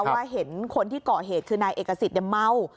ว่าเห็นคนที่ก่อเหตุคือนายเอกสิทธิ์เมา